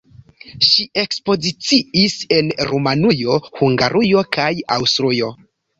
Ŝi ekspoziciis en Rumanujo, Hungarujo kaj Aŭstrujo.